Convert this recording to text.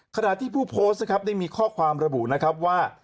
ขณะที่ผู้โพสต์นะครับได้มีข้อความระบุนะครับว่า